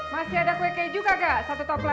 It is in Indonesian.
masih ada kuiknya